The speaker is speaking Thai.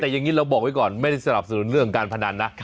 แต่อย่างนี้เราบอกไว้ก่อนไม่ได้สนับสนุนเรื่องการพนันนะ